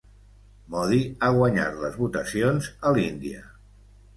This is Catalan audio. Modi ha guanyat les votacions a l'Índia